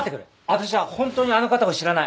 私はホントにあの方を知らない。